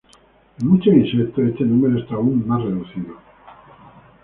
En muchos insectos este número está aún más reducido.